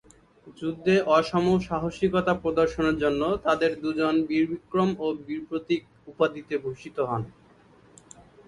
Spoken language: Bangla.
যুদ্ধে অসম সাহসিকতা প্রদর্শনের জন্য তাদের দুজন ‘বীরবিক্রম’ ও ‘বীরপ্রতীক’ উপাধিতে ভূষিত হন।